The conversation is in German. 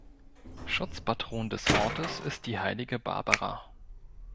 Schutzpatron des Ortes ist die heilige Barbara.